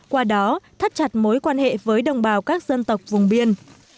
qua đó thắt chặt mối quan hệ với đồng bào các dân tộc vùng biên